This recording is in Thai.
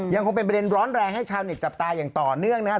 ยังคงเป็นประเด็นร้อนแรงให้ชาวเน็ตจับตาอย่างต่อเนื่องนะครับ